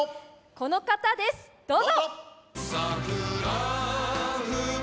この方です、どうぞ。